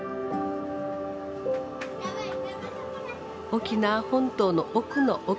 沖縄本島の奥の奥。